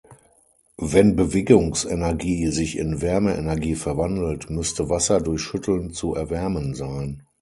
Wenn Bewegungsenergie sich in Wärmeenergie verwandelt, müsste Wasser durch Schütteln zu erwärmen sein.